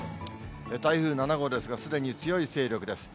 台風７号ですが、すでに強い勢力です。